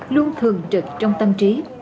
luôn thường trực trong tâm trí